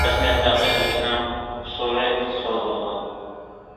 رەسمىيەت ھەققى ئېلىشنىڭ ئۇسۇلى ئىككى خىل بولىدۇ.